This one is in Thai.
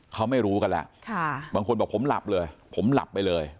เขาไม่รู้กันแล้วบางคนบอกผมหลับเลยผมหลับไปเลย